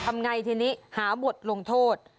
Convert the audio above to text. ทำไงทีนี้หาบทลงโทษ